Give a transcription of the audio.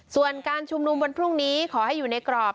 ส่วนการชุมนุมวันพรุ่งนี้ขอให้อยู่ในกรอบ